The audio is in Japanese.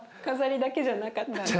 飾りだけじゃなかった。